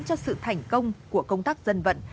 cho sự thành công của công tác dân vận